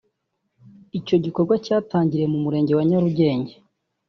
Icyo gikorwa cyatangiriye mu Murenge wa Nyarugenge